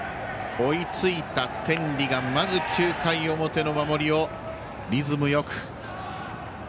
追いついた天理がまず９回表の守りをリズムよく。